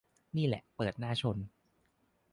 นี่แหละเปิดหน้าชน